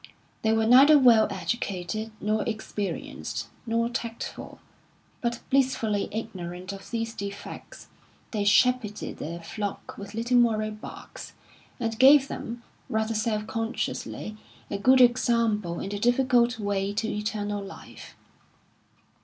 They were neither well educated, nor experienced, nor tactful; but blissfully ignorant of these defects, they shepherded their flock with little moral barks, and gave them, rather self consciously, a good example in the difficult way to eternal life.